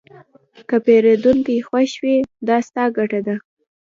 که پیرودونکی خوښ وي، دا ستا ګټه ده.